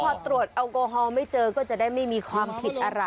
พอตรวจแอลกอฮอล์ไม่เจอก็จะได้ไม่มีความผิดอะไร